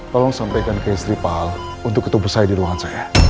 tolong sampaikan ke istri pal untuk ketemu saya di ruangan saya